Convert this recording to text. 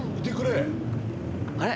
あれ？